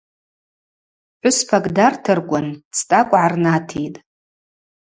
Пхӏвыспакӏ дартырквын дзтӏакӏв гӏарнатитӏ.